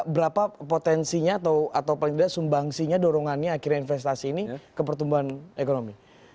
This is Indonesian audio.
berapa potensinya atau paling tidak sumbangsinya dorongannya akhirnya investasi ini ke pertumbuhan ekonomi